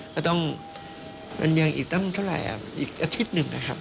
ก็ต้องมันยังอีกตั้งเท่าไหร่อีกอาทิตย์หนึ่งนะครับ